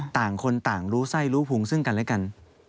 ต่างคนต่างรู้ไส้รู้พุงซึ่งกันและกัน